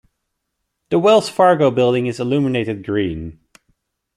The Wells Fargo Building is illuminated green.